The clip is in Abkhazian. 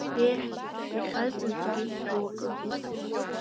Еҳ, ихьаҵызҭгьы руакы?!